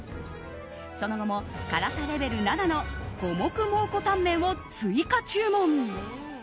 その後も辛さレベル７の五目蒙古タンメンを追加注文。